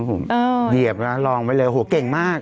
โอ้โฮเหลียบนะลองไว้เลยเก่งมาก